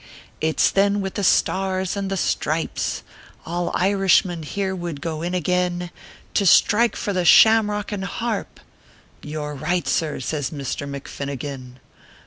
It s then with the Stars and the Stripes All Irishmen here would go in again, To strike for the Shamrock and Harp 1" " You re right, sir," says Misther McFinnigan.